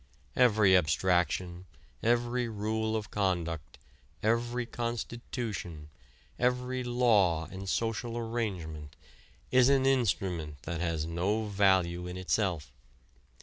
Every abstraction, every rule of conduct, every constitution, every law and social arrangement, is an instrument that has no value in itself.